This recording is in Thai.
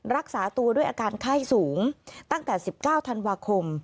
รักษาตัวด้วยอาการไข้สูงตั้งแต่๑๙ธันวาคม